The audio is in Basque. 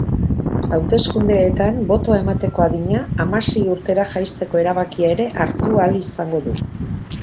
Hauteskundeetan botoa emateko adina hamasei urtera jaisteko erabakia ere hartu ahal izango du.